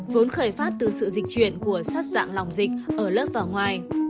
vốn khởi phát từ sự dịch chuyển của sát dạng lòng dịch ở lớp và ngoài